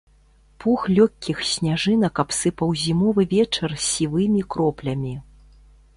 Пух лёгкіх сняжынак абсыпаў зімовы вечар сівымі кроплямі.